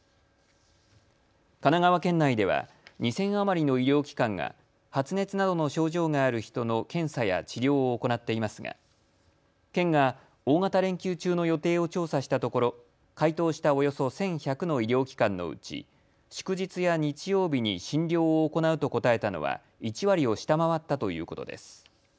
神奈川県内では２０００余りの医療機関が発熱などの症状がある人の検査や治療を行っていますが県が大型連休中の予定を調査したところ回答したおよそ１１００の医療機関のうち祝日や日曜日に診療を行うと答えたのは１割を下回ったということです。